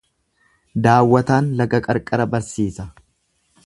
Daawwataan laga qarqara barsiisa.